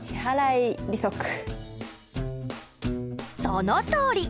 そのとおり！